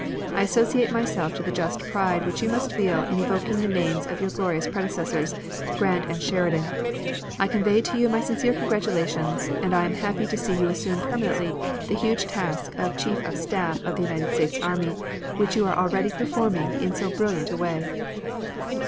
I associate myself to the just pride which you must feel in evoking the names of your glorious predecessors, Grant and Sheridan. I convey to you my sincere congratulations and I am happy to see you assume permanently the huge task of Chief of Staff of the United States army which you are already performing in so brilliant a way.